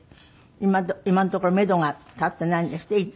今のところめどが立ってないんですって？